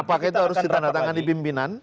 apakah itu harus ditanda tangan di pimpinan